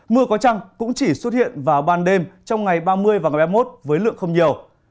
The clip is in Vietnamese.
mưa có trăng cũng chỉ xuất hiện vào ban đêm trong ngày ba mươi và ngày hai mươi một với lượng không nhiều